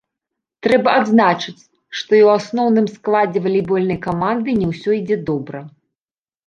Трэба адзначыць, што і ў асноўным складзе валейбольнай каманды не ўсё ідзе добра.